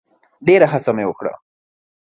ډېره هڅه مي وکړه .